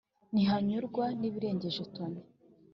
Ntihanyurwa n'ibirengeje toni